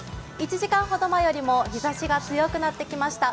１時間ほど前よりも日ざしが強くなってきました。